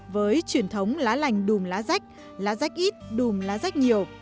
với truyền thống lá lành đùm lá rách lá rách ít đùm lá rách nhiều